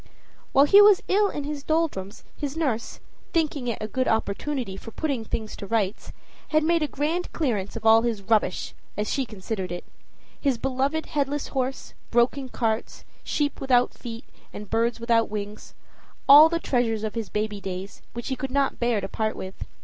While he was ill of the doldrums, his nurse, thinking it a good opportunity for putting things to rights, had made a grand clearance of all his "rubbish" as she considered it: his beloved headless horses, broken carts, sheep without feet, and birds without wings all the treasures of his baby days, which he could not bear to part with.